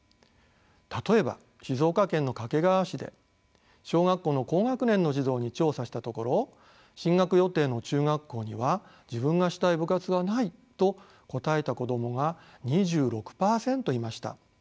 例えば静岡県の掛川市で小学校の高学年の児童に調査したところ進学予定の中学校には自分がしたい部活はないと答えた子供が２６％いました。